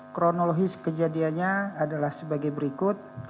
kronologis kejadiannya adalah sebagai berikut